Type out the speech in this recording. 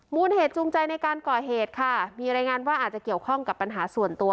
มูลเหตุจูงใจในการก่อเหตุค่ะมีรายงานว่าอาจจะเกี่ยวข้องกับปัญหาส่วนตัว